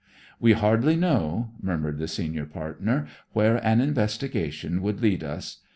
"We hardly know," murmured the senior partner, "where an investigation would lead us.